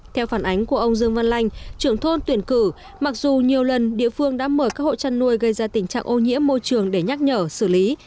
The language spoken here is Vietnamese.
theo phản ánh của ông dương văn lanh trưởng thôn tuyển cử mặc dù nhiều lần địa phương đã mời các hộ chăn nuôi gây ra tình trạng ô nhiễm môi trường để nhắc nhở xử lý